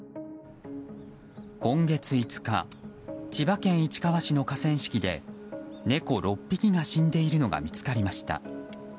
今月５日、千葉県市川市の河川敷で猫６匹が死んでいるのが見つかりました。